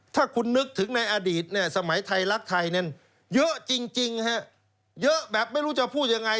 ถ้าคุณนึกถึงในอดีตเนี่ยสมัยไทยรักไทยนั้นเยอะจริงเยอะแบบไม่รู้จะพูดยังไง